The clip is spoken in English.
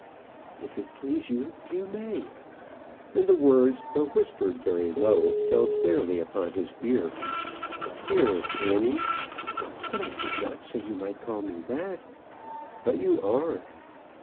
"If it please you, you may." And the words, though whispered very low, fell clearly upon his ear. "Dearest Annie!" "But I did not say you might call me that." "But you are."